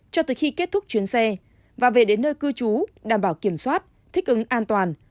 cho tới khi kết thúc chuyến xe và về đến nơi cư trú đảm bảo kiểm soát thích ứng an toàn